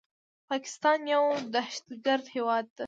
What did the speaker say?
پاکستان يو دهشتګرد هيواد ده